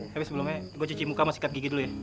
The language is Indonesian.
tapi sebelumnya gue cuci muka mau sikat gigi dulu ya